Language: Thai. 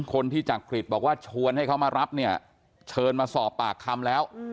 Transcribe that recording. คนที่จักริตบอกว่าชวนให้เขามารับเนี่ยเชิญมาสอบปากคำแล้ว